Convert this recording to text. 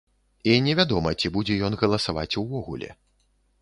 І невядома, ці будзе ён галасаваць увогуле.